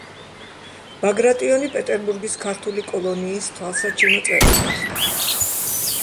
ბაგრატიონი პეტერბურგის ქართული კოლონიის თვალსაჩინო წევრი გახდა.